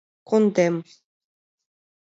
— Кондем!